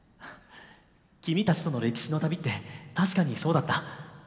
君たちとの歴史の旅って確かにそうだった。